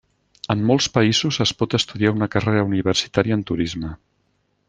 En molts països es pot estudiar una carrera universitària en turisme.